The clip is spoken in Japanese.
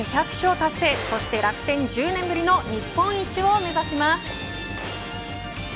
達成そして楽天、１０年ぶりの日本一を目指します。